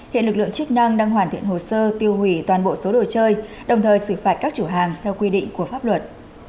hiện lực lượng chức năng đang hoàn thiện hồ sơ tiêu hủy toàn bộ số đồ chơi đồng thời xử phạt các chủ hàng theo quy định của pháp luật